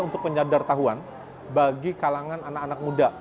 untuk penyadar tahuan bagi kalangan anak anak muda